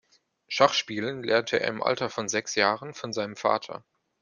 Schachspielen lernte er im Alter von sechs Jahren von seinem Vater.